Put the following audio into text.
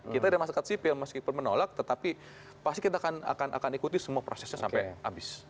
kita dari masyarakat sipil meskipun menolak tetapi pasti kita akan ikuti semua prosesnya sampai habis